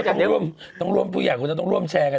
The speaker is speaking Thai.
ต้องร่วมต้องร่วมผู้ใหญ่ต้องร่วมแชร์กัน